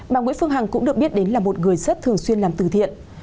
bà nguyễn phương hằng cũng được biết đến là một người rất thường xuyên làm từ thiện